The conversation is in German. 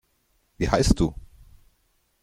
Wie heißt du?